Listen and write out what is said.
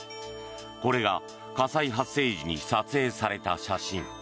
これが火災発生時に撮影された写真。